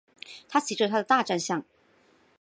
他骑着他的大战象。